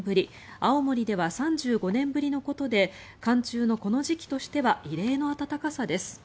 青森では３５年ぶりのことで寒中のこの時期としては異例の暖かさです。